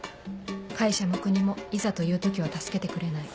会社も国もいざという時は助けてくれない